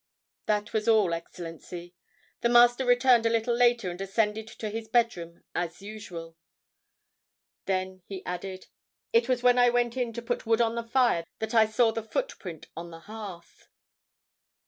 "That was all, Excellency. The Master returned a little later and ascended to his bedroom as usual." Then he added: "It was when I went in to put wood on the fire that I saw the footprint on the hearth."